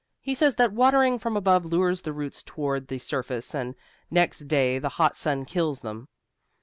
He says that watering from above lures the roots toward the surface and next day the hot sun kills them.